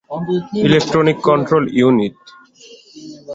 Electronic control unit.